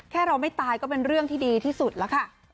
เราไม่ตายก็เป็นเรื่องที่ดีที่สุดแล้วค่ะ